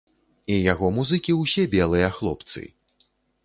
І яго музыкі ўсе белыя хлопцы!